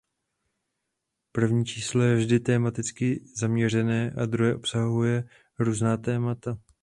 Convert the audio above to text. První číslo je vždy tematicky zaměřené a druhé obsahuje různá témata.